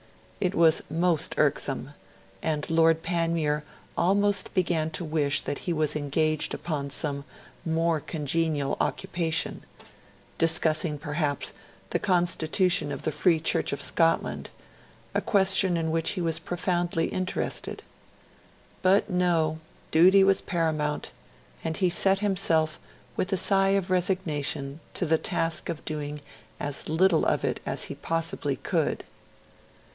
It was most irksome; and Lord Panmure almost began to wish that he was engaged upon some more congenial occupation discussing, perhaps, the constitution of the Free Church of Scotland a question in which he was profoundly interested. But no; duty was paramount; and he set himself, with a sigh of resignation, to the task of doing as little of it as he possibly could.